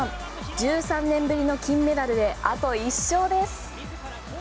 １３年ぶりの金メダルであと１勝です。